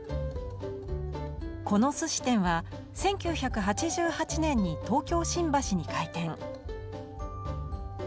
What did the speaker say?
この寿司店は１９８８年に東京・新橋に開店。